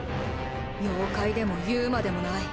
妖怪でもＵＭＡでもない。